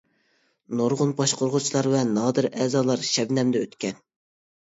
نۇرغۇن باشقۇرغۇچىلار ۋە نادىر ئەزالار شەبنەمدە ئۆتكەن.